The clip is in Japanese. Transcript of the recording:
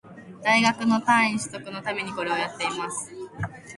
大学の単位取得のためにこれをやってます